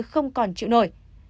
không còn chịu nổi